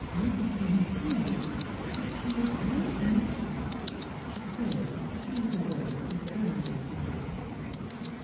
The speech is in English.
" Milly came to tell me that she was most anxious to " She paused to choose her words with guileless duplicity.